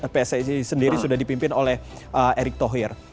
pssi sendiri sudah dipimpin oleh erick thohir